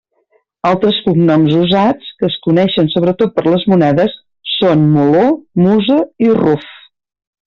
Altres cognoms usats, que es coneixen sobretot per les monedes, són Moló, Musa i Ruf.